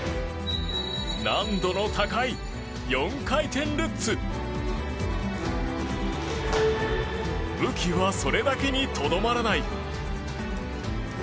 難度の高い武器はそれだけにとどまらない。